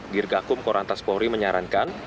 dirgakum korantas polri menyarankan